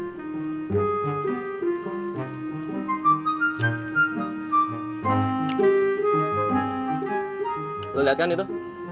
itu namanya rasi bintang ursa mek